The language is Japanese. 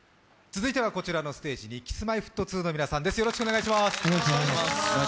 続いてはこちらのステージにＫｉｓ−Ｍｙ−Ｆｔ２の皆さんです。